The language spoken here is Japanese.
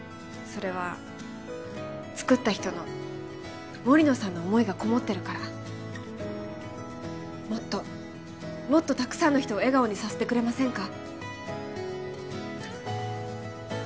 それは作った人の森野さんの思いがこもってるからもっともっとたくさんの人を笑顔にさせてくれませんか？